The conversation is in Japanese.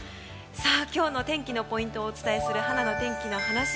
今日の天気のポイントをお伝えする、はなの天気のはなし